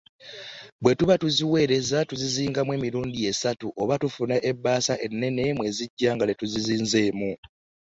Bwe tuba tuziweereza tuzizingamu emirundi esatu oba ne tufuna ebbaasa ennene mwe zigya nga tetuzizinzeemu.